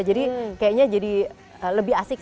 jadi kayaknya jadi lebih asik gitu ya